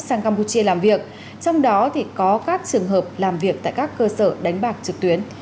sang campuchia làm việc trong đó thì có các trường hợp làm việc tại các cơ sở đánh bạc trực tuyến